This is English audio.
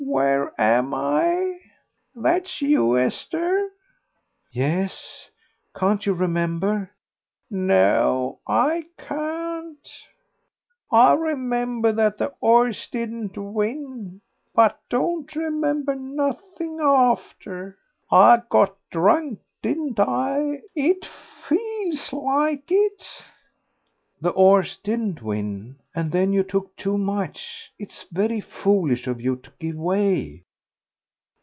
"Where am I? ...That's you, Esther?" "Yes. Can't you remember?" "No, I can't. I remember that the 'orse didn't win, but don't remember nothing after.... I got drunk, didn't I? It feels like it." "The 'orse didn't win, and then you took too much. It's very foolish of you to give way."